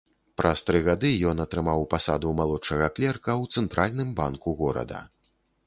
Праз тры гады ён атрымаў пасаду малодшага клерка ў цэнтральным банку горада.